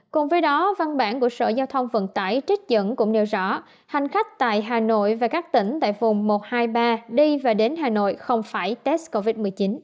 cùng với đó văn bản của sở giao thông vận tải trích dẫn cũng nêu rõ hành khách tại hà nội và các tỉnh tại vùng một trăm hai mươi ba đi và đến hà nội không phải test covid một mươi chín